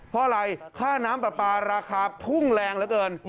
เพราะอะไรค่าน้ำปลาปลาราคาพุ่งแรงเหลือเกิน